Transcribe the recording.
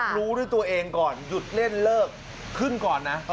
รู้ด้วยตัวเองก่อนหยุดเล่นเลิกขึ้นก่อนนะ